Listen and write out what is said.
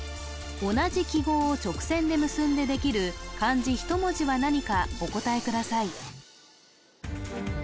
同じ記号を直線で結んでできる漢字１文字は何かお答えください